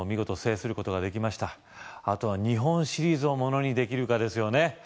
あとは日本シリーズをものにできるかですよね